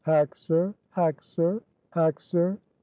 "Hack, sir? Hack, sir? Hack, sir?"